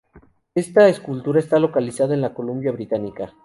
Esta escultura está localizada en la Columbia Británica.